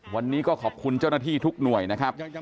วันนี้ก็ขอบคุณเจ้าหน้าที่ทุกหน่วยนะครับ